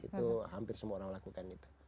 itu hampir semua orang lakukan itu